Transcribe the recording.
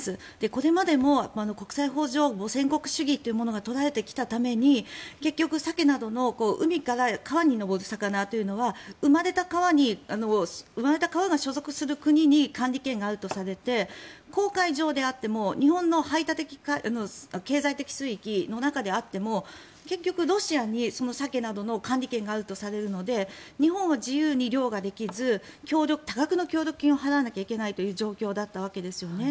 これまでも国際法上に取られてきたために結局、サケなどの海から川に上る魚というのは生まれた川が所属する国に管理権があるとされて公海上であっても日本の排他的経済水域の中であっても結局、ロシアにサケなどの権利があるとされるので日本は自由に漁ができず多額の協力金を払わなければいけないという状況だったわけですよね。